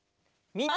みんな。